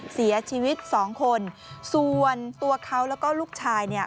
เสียชีวิตสองคนส่วนตัวเขาแล้วก็ลูกชายเนี่ย